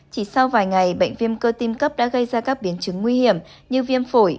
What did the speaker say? chỉ sau vài ngày bệnh viêm cơ tim cấp đã gây ra các biến chứng nguy hiểm như viêm phổi